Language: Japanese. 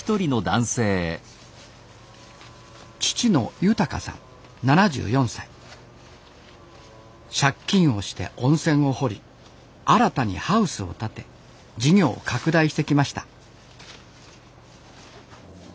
父の借金をして温泉を掘り新たにハウスを建て事業を拡大してきました。